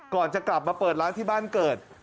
ก่อนจะกลับมาเปิดร้านที่บ้านเกิด